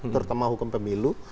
terutama hukum pemilu